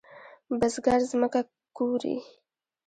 بزګر زمکه کوري.